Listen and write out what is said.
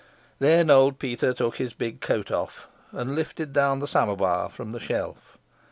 Then old Peter took his big coat off and lifted down the samovar from the shelf.